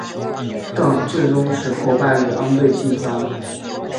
但最终石破败于安倍晋三。